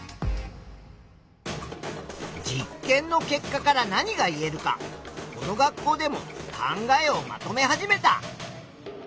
実験の結果から何が言えるかこの学校でも考えをまとめ始めた。